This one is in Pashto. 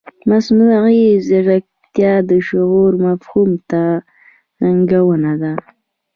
مصنوعي ځیرکتیا د شعور مفهوم ته ننګونه ده.